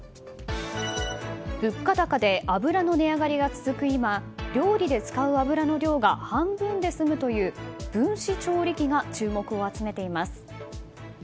物価高で油の値上がりが続く今料理で使う油の量が半分で済むという分子調理器が注目を集めています。